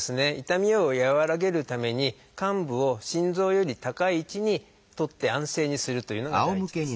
痛みを和らげるために患部を心臓より高い位置に取って安静にするというのが第一ですので。